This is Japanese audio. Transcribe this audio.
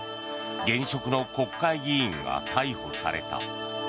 現職の国会議員が逮捕された。